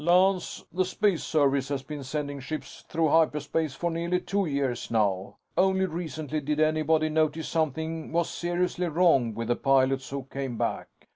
"Lance, the Space Service has been sending ships through hyperspace for nearly two years now. Only recently did anybody notice something was seriously wrong with the pilots who came back.